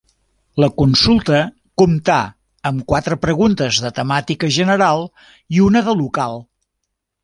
La consulta comptà amb quatre preguntes de temàtica general i una de local.